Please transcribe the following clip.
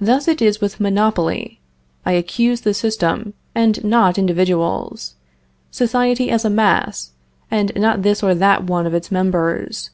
Thus is it with monopoly. I accuse the system, and not individuals; society as a mass, and not this or that one of its members.